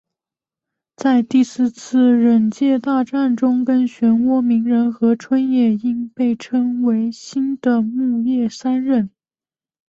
在第四次忍界大战中跟漩涡鸣人和春野樱被称为新的木叶三忍。